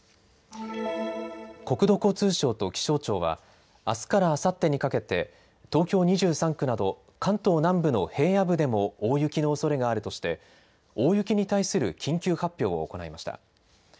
国土交通省と気象庁はあすからあさってにかけて東京２３区など関東南部の平野部でも大雪のおそれがあるとして大雪に対する緊急発表を行いました。